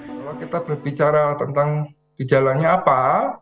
kalau kita berbicara tentang gejalanya apa